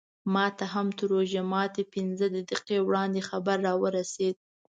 ماته هم تر روژه ماتي پینځه دقیقې وړاندې خبر راورسېد.